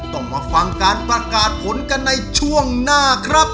ต้องมาฟังการประกาศผลกันในช่วงหน้าครับ